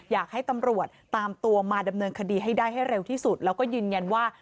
อยากให้ตำรวจตามตัวมาดำเนินคดีให้ได้ให้เร็วที่สุดแล้วก็ยืนยันว่า